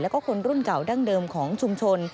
แล้วก็คนรุ่นเก่าดั้งเดิมของชุมชน